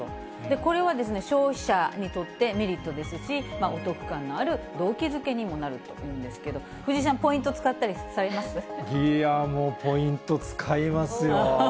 これは消費者にとってメリットですし、お得感のある動機づけにもなるというんですけど、藤井さん、いやー、もう、ポイント使いますよ。